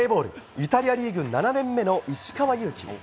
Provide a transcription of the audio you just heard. イタリアリーグ７年目の石川祐希。